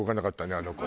あの子。